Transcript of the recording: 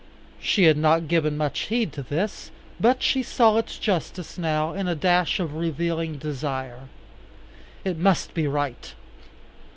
She had not given much heed to this, but she saw its justice now in a dash of revealing desire. It must be right.